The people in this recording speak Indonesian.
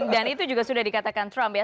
dan itu juga sudah dikatakan trump ya